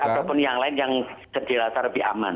ataupun yang lain yang dirasa lebih aman